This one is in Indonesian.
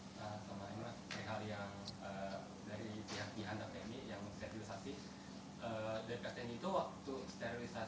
dari pasten itu waktu sterilisasi kemarin